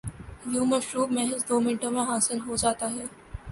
یوں مشروب محض دومنٹوں میں حاصل ہوجاتا ہے۔